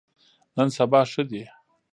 نن سبا ښه دي.